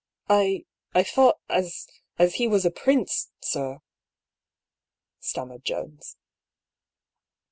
" I thought as he was a prince, sir," stammered Jones.